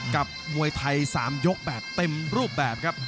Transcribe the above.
มวยไทย๓ยกแบบเต็มรูปแบบครับ